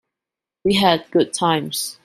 We had good times.